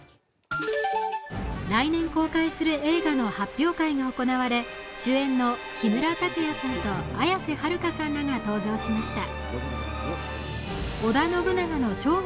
来年公開する映画の発表会が行われ、主演の木村拓哉さんと綾瀬はるかさんらが登場しました。